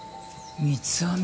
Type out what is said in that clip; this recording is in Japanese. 三つ編み。